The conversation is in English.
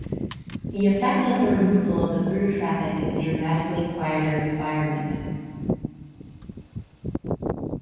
The effect of the removal of the through traffic is a dramatically quieter environment.